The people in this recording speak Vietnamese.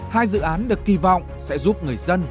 hai dự án được kỳ vọng sẽ giúp người dân